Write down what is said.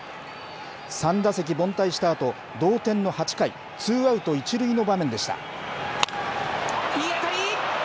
３打席凡退したあと、同点の８回、ツーアウト１塁の場面でした。